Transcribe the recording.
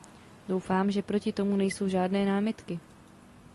Doufám, že proti tomu nejsou žádné námitky.